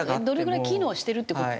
どれぐらい機能してるって。